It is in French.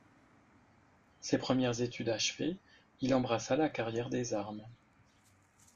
Ses premières études achevées, il embrassa la carrière des armes.